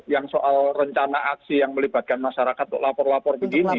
yang soal rencana aksi yang melibatkan masyarakat untuk lapor lapor begini